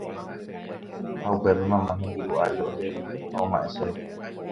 Ha upépe mamá hembi'u ári ojayvy ha oma'ẽ cherehe